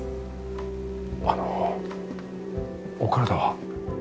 あのお体は？